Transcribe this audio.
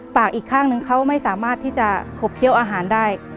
อีกข้างนึงเขาไม่สามารถที่จะขบเคี้ยวอาหารได้